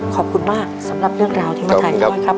ขอบคุณมากสำหรับเรื่องราวที่มาถ่ายด้วยครับ